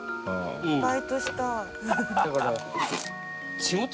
バイトしたい。